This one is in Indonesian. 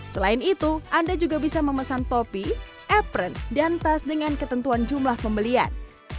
selain itu anda juga bisa memesan topi apren dan tas dengan ketentuan jumlah pembelian